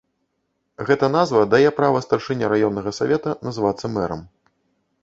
Гэта назва дае права старшыне раённага савета называцца мэрам.